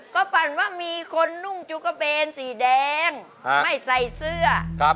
ก็ปั่นว่ามีคนนุ่งจูกระเบนสีแดงไม่ใส่เสื้อ